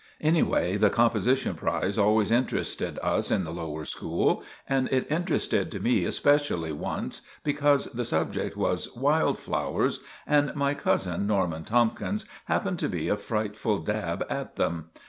Anyway, the composition prize always interested us in the lower school, and it interested me especially once, because the subject was 'Wild Flowers,' and my cousin, Norman Tomkins, happened to be a frightful dab at them.